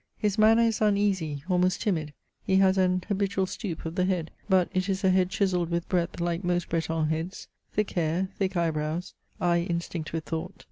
His manner is uneasy, almost timid. He has an habitual stoop of the head, but it is a head chiselled with breadth like most Breton heads, thick hair, thick eyebrows, eye instinct with thought.